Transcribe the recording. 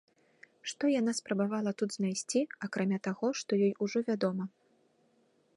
Што яна спрабавала тут знайсці, акрамя таго, што ёй ўжо вядома?